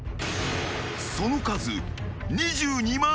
［その数］